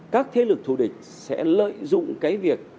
các thế lực thù địch sẽ lợi dụng cái việc